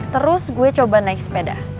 terus gue coba naik sepeda